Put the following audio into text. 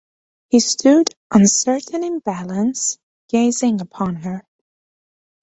He stood, uncertain in balance, gazing upon her.